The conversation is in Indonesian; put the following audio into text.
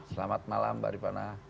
selamat malam mbak rifana